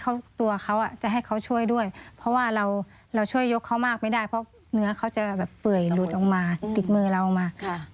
เขาตัวเขาจะให้เขาช่วยด้วยเพราะว่าเราเราช่วยยกเขามากไม่ได้เพราะเนื้อเขาจะแบบเปื่อยหลุดออกมาติดมือเราออกมา